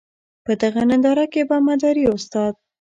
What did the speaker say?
په دغه ننداره کې به مداري استاد.